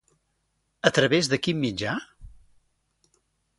A través de quin mitjà?